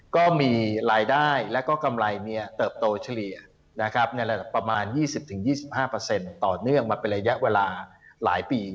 ก็มีรายได้และก็กำไรเติบโตเฉลี่ยในระดับประมาณ๒๐๒๕ต่อเนื่องมาเป็นระยะเวลาหลายปี